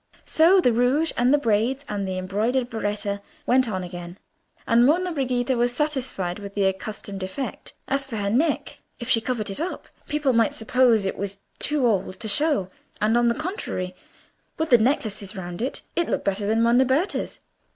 So the rouge and the braids and the embroidered berretta went on again, and Monna Brigida was satisfied with the accustomed effect; as for her neck, if she covered it up, people might suppose it was too old to show, and, on the contrary, with the necklaces round it, it looked better than Monna Berta's.